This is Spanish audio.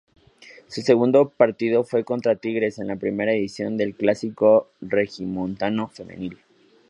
Su segundo partido fue contra Tigres, en la primera edición del Clásico Regiomontano Femenil.